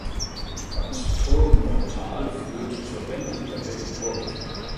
Das Turmportal führt zur Wendeltreppe im Turm.